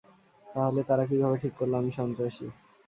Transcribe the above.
তাহলে তারা কিভাবে ঠিক করলো, আমি সন্ত্রাসী?